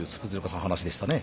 さん話でしたね。